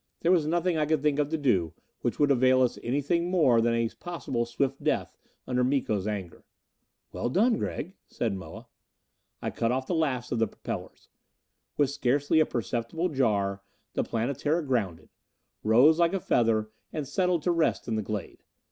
There was nothing I could think of to do which would avail us anything more than a possible swift death under Miko's anger. "Well done, Gregg!" said Moa. I cut off the last of the propellers. With scarcely a perceptible jar, the Planetara grounded, rose like a feather and settled to rest in the glade.